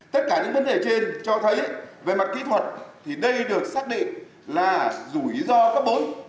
tất cả những vấn đề trên cho thấy về mặt kỹ thuật thì đây được xác định là rủi ro cấp bối